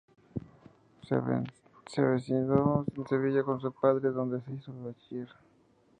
Se avecindó en Sevilla, con su padre, donde se hizo bachiller.